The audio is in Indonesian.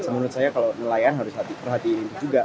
menurut saya kalau nelayan harus perhatikan itu juga